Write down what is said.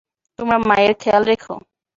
তোমার মায়ের খেয়াল রেখো।